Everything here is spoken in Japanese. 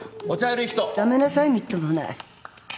やめなさいみっともない。